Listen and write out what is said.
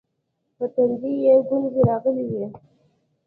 پر تندي يې گونځې راغلې وې.